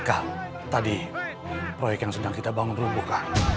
kak tadi proyek yang sedang kita bangun rubuh kan